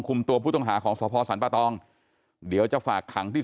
ตัวผู้ต้องหาของสพสรรปะตองเดี๋ยวจะฝากขังที่